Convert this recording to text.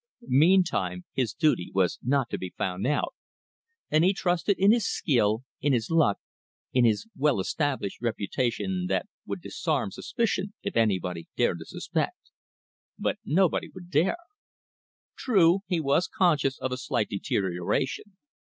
Meantime his duty was not to be found out, and he trusted in his skill, in his luck, in his well established reputation that would disarm suspicion if anybody dared to suspect. But nobody would dare! True, he was conscious of a slight deterioration.